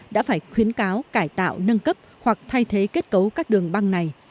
đã phải khuyến cáo cải tạo nâng cấp hoặc thay thế kết cấu các đường băng này